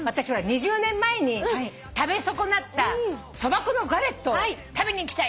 ２０年前に食べ損なったそば粉のガレットを食べに行きたいんだ。